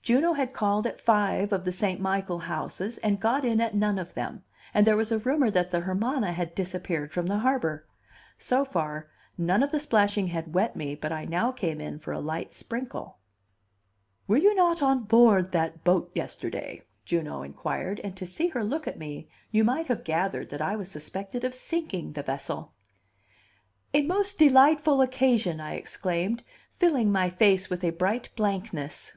Juno had called at five of the St. Michael houses and got in at none of them, and there was a rumor that the Hermana had disappeared from the harbor. So far, none of the splashing had wet me but I now came in for a light sprinkle. "Were you not on board that boat yesterday?" Juno inquired; and to see her look at me you might have gathered that I was suspected of sinking the vessel. "A most delightful occasion!" I exclaimed, filling my face with a bright blankness.